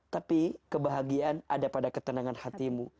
tapi kebahagiaan ada pada ketenangan hatimu